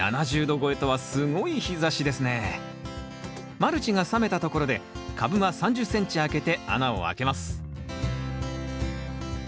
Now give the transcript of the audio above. マルチが冷めたところで株間３０ｃｍ空けて穴をあけます